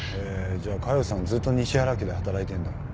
じゃあカヨさんずっと西原家で働いてんだ。